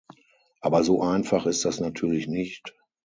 Aber so einfach ist das natürlich nicht.